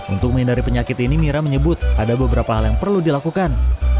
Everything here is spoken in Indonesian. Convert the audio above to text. untuk menghindari penyakit ini mira menyebut ada beberapa hal yang perlu dilakukan